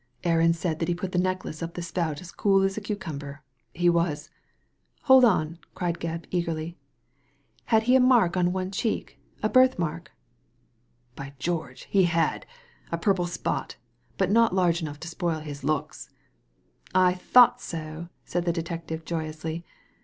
"Aaron said that he put the necklace up the spout as cool as a cucumber. He " Hold on I '' cried Gebb, eagerly. Had he a mark on one cheek — a birth mark ?" "By George, he hadl A purple spot; but not large enough to spoil his looks.'' I thought so !" said the detective, joyously.